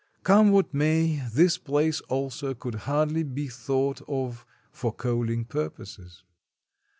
Come what may, this place, also, could hardly be thought of for coaling purposes.